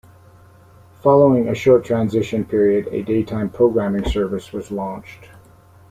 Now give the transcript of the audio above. Following a short transition period, a daytime programming service was launched.